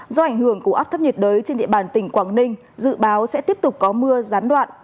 do ảnh hưởng của áp thấp nhiệt đới trên địa bàn tỉnh quảng ninh dự báo sẽ tiếp tục có mưa gián đoạn